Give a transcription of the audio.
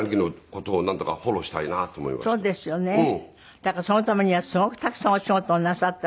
だからそのためにはすごくたくさんお仕事をなさった。